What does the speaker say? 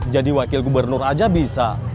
jadi wakil gubernur aja bisa